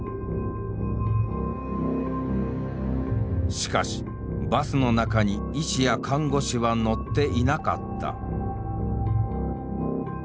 しかしバスの中に医師や看護師は乗っていなかった。